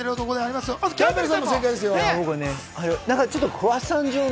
キャンベルさんも正解ですよ。